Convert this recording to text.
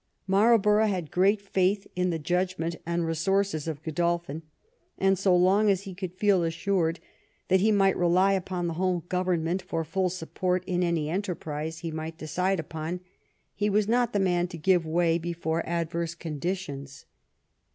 Marlborough had great faith in the judgment and resource of Godolphin, and so long as he could feel assured that he might rely upon the home government for full support in any enterprise he might decide upon, he was not the man to give way before adverse conditions.